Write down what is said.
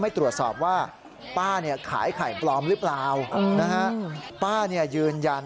ตรวจสอบว่าป้าเนี่ยขายไข่ปลอมหรือเปล่านะฮะป้าเนี่ยยืนยัน